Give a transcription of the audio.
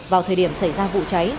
vào thời điểm xảy ra vụ cháy